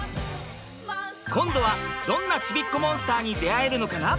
今度はどんなちびっこモンスターに出会えるのかな？